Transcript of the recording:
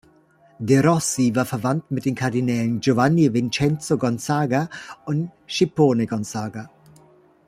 De’ Rossi war verwandt mit den Kardinälen Giovanni Vincenzo Gonzaga und Scipione Gonzaga.